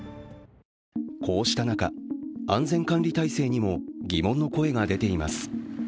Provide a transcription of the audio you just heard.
こうした中、安全管理態勢にも疑問の声が出ています。